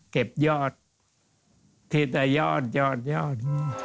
เก็บยอดที่จะยอดยอดยอด